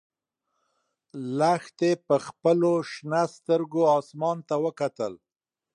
لښتې په خپلو شنه سترګو اسمان ته وکتل.